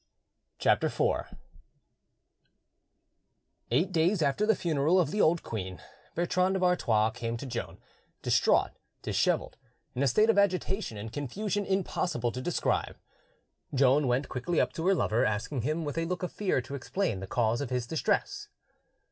CHAPTER IV Eight days after the funeral of the old queen, Bertrand of Artois came to Joan, distraught, dishevelled, in a state of agitation and confusion impossible to describe. Joan went quickly up to her lover, asking him with a look of fear to explain the cause of his distress.